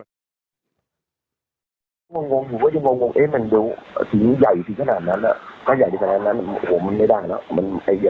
หวังงงอุ้วเภ้งกับกันทำไมเหมือนเดี๋ยว